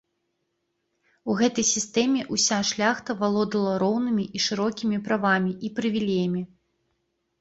У гэтай сістэме ўся шляхта валодала роўнымі і шырокімі правамі і прывілеямі.